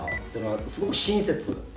すごく親切。